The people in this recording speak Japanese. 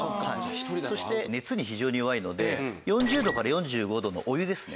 そして熱に非常に弱いので４０度から４５度のお湯ですね。